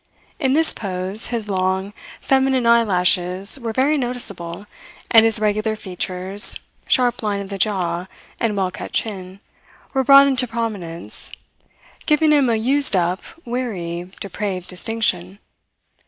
In this pose, his long, feminine eyelashes were very noticeable, and his regular features, sharp line of the jaw, and well cut chin were brought into prominence, giving him a used up, weary, depraved distinction.